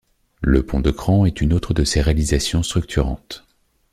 Le pont de Cran est une autre de ses réalisations structurantes.